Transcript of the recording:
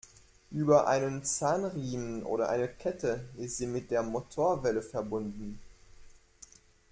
Über einen Zahnriemen oder eine Kette ist sie mit der Motorwelle verbunden.